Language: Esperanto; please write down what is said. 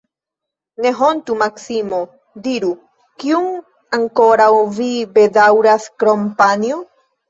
Ne hontu, Maksimo, diru, kiun ankoraŭ vi bedaŭras, krom panjo?